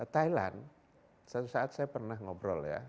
thailand satu saat saya pernah ngobrol ya